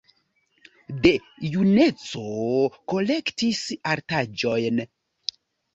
De juneco kolektis artaĵojn.